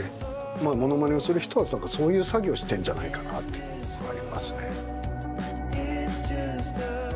まあモノマネをする人は何かそういう作業をしてるんじゃないかなっていうのありますね。